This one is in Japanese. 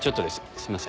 すいません。